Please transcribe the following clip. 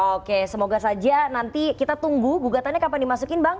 oke semoga saja nanti kita tunggu gugatannya kapan dimasukin bang